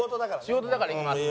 仕事だからいきます。